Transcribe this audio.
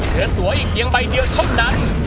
เคลื่อนตัวอีกอย่างใบเดียวเค้านั้น